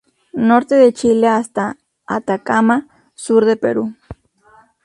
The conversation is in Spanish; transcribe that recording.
Norte de Chile hasta Atacama, sur de Perú.